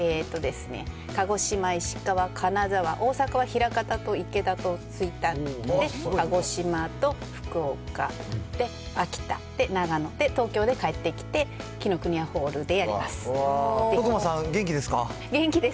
鹿児島、石川、金沢、大阪は枚方と池田と吹田で、鹿児島と福岡、秋田、長野で、東京で帰ってきて、紀伊國屋ホールでやります。